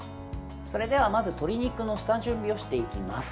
それでは、まず鶏肉の下準備をしていきます。